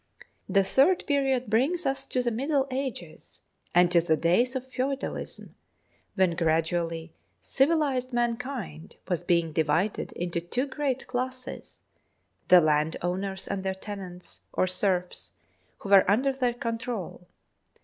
THE BOOK OF FAMOUS SIEGES The third period brings us to the Middle Ages and to the days of feudalism, when gradually civ ilised mankind was being divided into two great classes, the land owners and their tenants, or serfs, who were under their control.